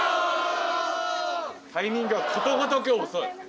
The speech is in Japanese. タイミングがことごとく遅い。